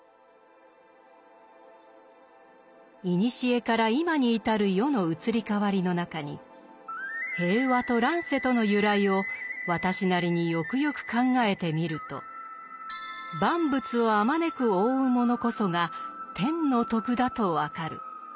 「古から今にいたる世の移り変わりの中に平和と乱世との由来を私なりによくよく考えてみると万物をあまねく覆うものこそが天の徳だと分る。